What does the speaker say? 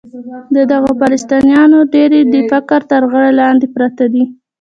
د دغو فلسطینیانو ډېری د فقر تر غره لاندې پراته دي.